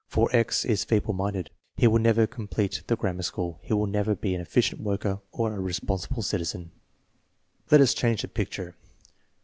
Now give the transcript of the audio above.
For X is feeble minded; he will never complete the grammar school; he will never be an efficient worker or a responsible citizen. Let us change the picture.